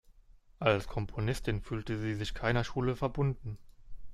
Als Komponistin fühlte sie sich keiner Schule verbunden.